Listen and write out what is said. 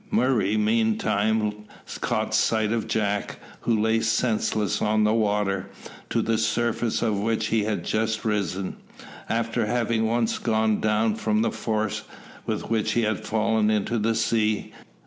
Murray meantime caught sight of Jack, who lay senseless on the water, to the surface of which he had just risen, after having once gone down from the force with which he had fallen into the sea.